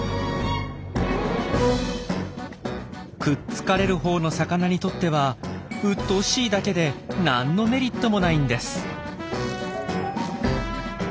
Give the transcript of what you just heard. くっつかれるほうの魚にとってはうっとうしいだけで何のメリットもないんです。